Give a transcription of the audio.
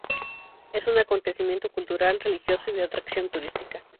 Es un acontecimiento cultural, religioso y de atracción turística.